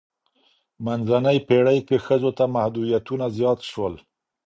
منځنۍ پیړۍ کې ښځو ته محدودیتونه زیات شول.